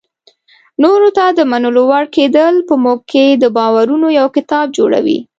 نورو ته د منلو وړ کېدل په موږ کې د باورونو یو کتاب جوړوي.